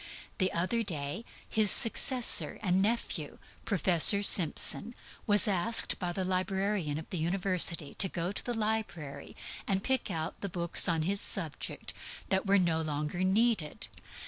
Recently his successor and nephew, Professor Simpson, was asked by the librarian of the University to go to the library and pick out the books on his subject (midwifery) that were no longer needed.